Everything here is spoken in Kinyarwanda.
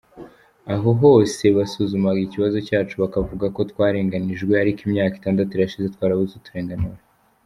Aho hose basuzumaga ikibazo cyacu bakavuga ko twarenganyijwe, ariko imyaka itandatu irashize twarabuze uturenganura.